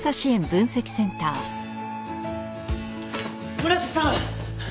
村瀬さん！